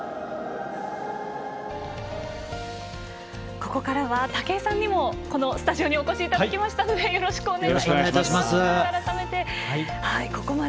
ここからは武井さんにもスタジオにお越しいただきましたのでよろしくお願いします。